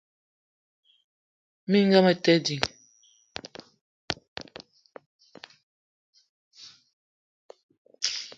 Minga mete ding.